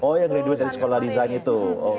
oh ya grade dua dari sekolah design itu